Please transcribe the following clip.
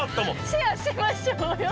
シェアしましょうよ。